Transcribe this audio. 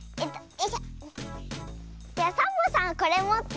じゃあサボさんこれもって。